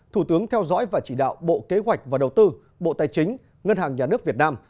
thủ tướng theo dõi và chỉ đạo bộ kế hoạch và đầu tư bộ tài chính ngân hàng nhà nước việt nam